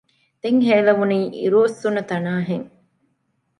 ދެން ހޭލެވުނީ އިރުއޮއްސުނުތަނާ ހެން